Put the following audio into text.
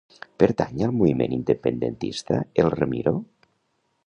Pertany al moviment independentista el Ramiro?